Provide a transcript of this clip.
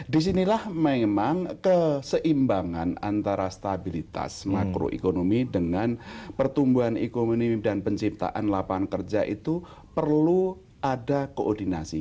disinilah memang keseimbangan antara stabilitas makroekonomi dengan pertumbuhan ekonomi dan penciptaan lapangan kerja itu perlu ada koordinasi